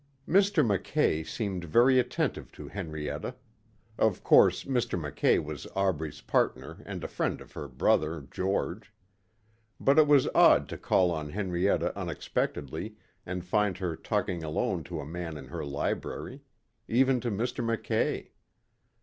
Mr. Mackay seemed very attentive to Henrietta. Of course, Mr. Mackay was Aubrey's partner and a friend of her brother, George. But it was odd to call on Henrietta unexpectedly and find her talking alone to a man in her library. Even to Mr. Mackay.